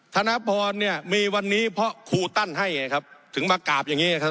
ธนพรเนี่ยมีวันนี้เพราะครูตั้นให้ไงครับถึงมากราบอย่างนี้ครับ